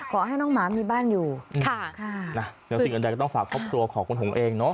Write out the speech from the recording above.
ขอให้น้องหมามีบ้านอยู่นี่ค่ะนะแล้วสิ่งอื่นใดก็ต้องฝากครอบครัวของคุณหงษ์เองเนาะ